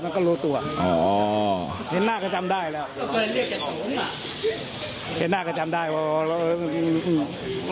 มันก็รู้ตัวอ๋อเห็นหน้าก็จำได้แล้วเห็นหน้าก็จำได้ว่าเออ